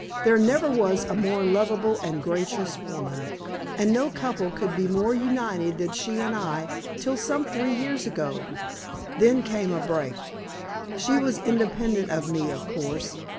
"There never was a more lovable and gracious woman, and no couple could be more united than she and I till some three years ago. Then came a break. She was independent of me, of course.